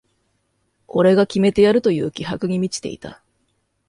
俺が決めてやるという気迫に満ちていた